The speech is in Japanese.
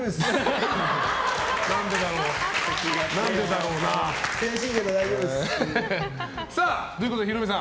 何でだろうな。ということで、ヒロミさん。